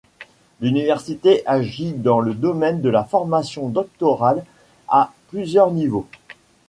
L'université agit dans le domaine de la formation doctorale à plusieurs niveaux.